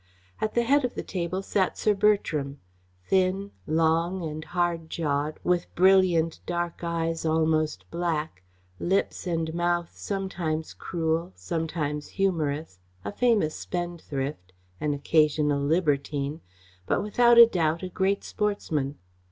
At the head of the table sat Sir Bertram; thin, long and hard jawed, with brilliant dark eyes, almost black, lips and mouth sometimes cruel, sometimes humorous, a famous spendthrift, an occasional libertine, but without a doubt a great sportsman.